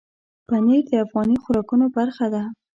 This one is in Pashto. پنېر د افغاني خوراکونو برخه ده.